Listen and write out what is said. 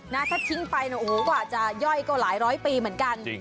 ถ้าทิ้งไปนะโอ้โหกว่าจะย่อยก็หลายร้อยปีเหมือนกัน